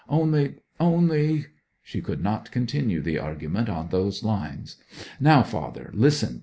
Only only' she could not continue the argument on those lines. 'Now, father, listen!'